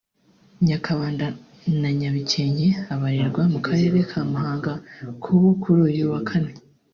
Nyakabanda na Nyabikenke abarirwa mu karere ka Muhanga k’ubu kuri uyu wa Kane